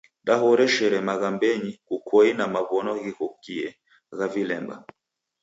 Dahoreshere maghambenyi kukoi na maw'ono ghighokie gha vilemba.